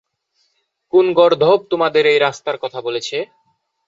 কোন গর্দভ তোমাদের এই রাস্তার কথা বলেছে?